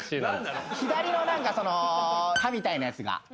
左の何かその「歯」みたいなやつが。